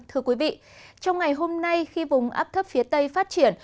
thưa quý vị trong ngày hôm nay khi vùng áp thấp phía tây phát triển